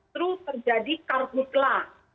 perlu terjadi karbutlah